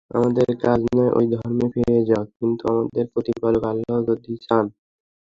আমাদের কাজ নয় ঐ ধর্মে ফিরে যাওয়া কিন্তু আমাদের প্রতিপালক আল্লাহ যদি চান।